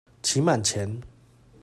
期滿前